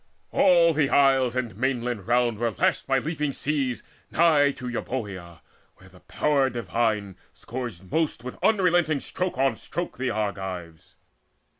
All the isles And mainlands round were lashed by leaping seas Nigh to Euboea, where the Power divine Scourged most with unrelenting stroke on stroke The Argives.